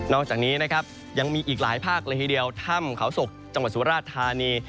อกจากนี้นะครับยังมีอีกหลายภาคเลยทีเดียวถ้ำเขาศกจังหวัดสุราชธานี